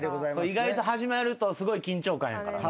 意外と始まるとすごい緊張感やからな。